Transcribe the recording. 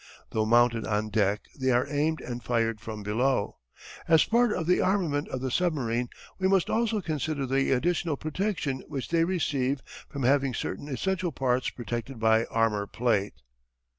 Though mounted on deck they are aimed and fired from below. As part of the armament of the submarine we must also consider the additional protection which they receive from having certain essential parts protected by armour plate.